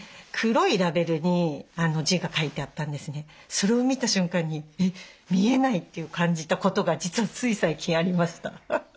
それを見た瞬間に「えっ見えない」って感じたことが実はつい最近ありました。